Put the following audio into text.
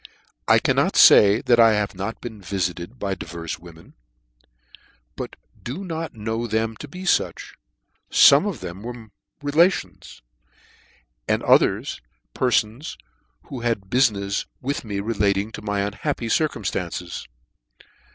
I cannot fay that I l\ave not been vifited by divers women; but do not know them to be fuch: fome of them were relations, and other perfons, who had bu finefs with me relating to my unhappy circuiu itances.